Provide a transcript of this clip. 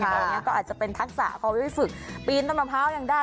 อย่างนี้ก็อาจจะเป็นทักษะเพราะว่าพี่ฝึกปีนต้นมะพร้าวยังได้